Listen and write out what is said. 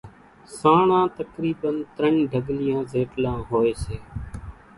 سانڻان تقريبن ترڃ ڍڳليان زيٽلان ھوئي سي۔